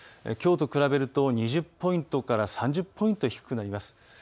きょうと比べると２０ポイントから３０ポイント低くなります。